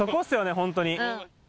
ホントに。